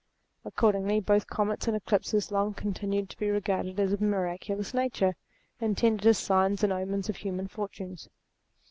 Accordingly both comets and eclipses long continued to be regarded as of a miracu lous nature, intended as signs and omens of human fortunes.